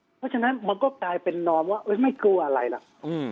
เพราะฉะนั้นมันก็กลายเป็นนอนว่าไม่กลัวอะไรหรอก